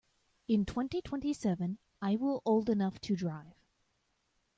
In twenty-twenty-seven I will old enough to drive.